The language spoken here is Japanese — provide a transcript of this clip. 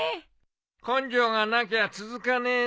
根性がなきゃ続かねえな。